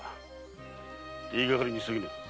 言いがかりに過ぎぬ。